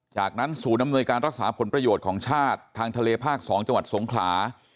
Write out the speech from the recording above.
จากนั้นศูนย์อำนวยการรักษาผลประโยชน์ของชาติทางทะเลภาค๒จังหวัดสงขลา